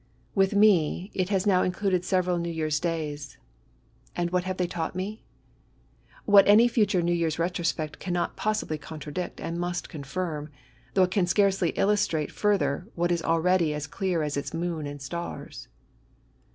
With me, it has now included several New GOOD AND EVIL. 3 Tear's Days ; and what have they taught me ? What any fiiture New Year's retrospect cannot possibly contradict, and must confirm : though it can scarcely illustrate further what is already as clear as its moon and stars.